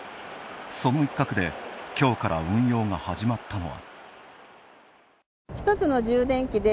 その一角で、きょうから運用が始まったのは。